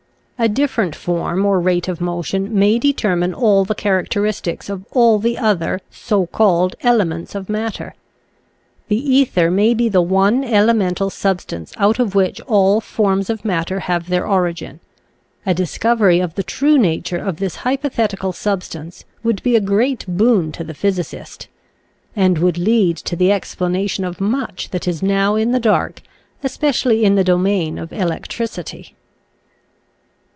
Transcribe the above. A different form or rate of motion may determine all the charac . i . Original from UNIVERSITY OF WISCONSIN 174 nature'* flMraclee. teristics of all the other so called elements of matter. The ether may be the one elemental substance out of which all forms of matter have their origin A discovery of the true nature of this hypothetical substance would be a great boon to the physicist — and would lead to the explanation of much that is now in the dark, especially in the domain of elec tricity.